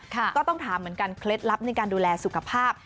ก็ต้องถามเหมือนกันเคล็ดลับในการดูแลสุขภาพ